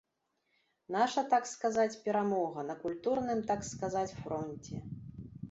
Наша, так сказаць, перамога на культурным, так сказаць, фронце.